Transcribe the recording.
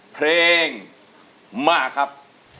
เพลงมาครับ